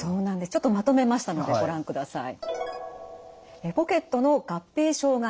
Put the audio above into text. ちょっとまとめましたのでご覧ください。